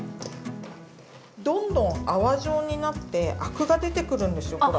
どんどん泡状になってアクが出てくるんですよほら。